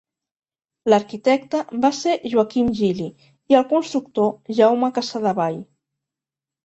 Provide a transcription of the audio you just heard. L'arquitecte va ser Joaquim Gili i el constructor Jaume Casadevall.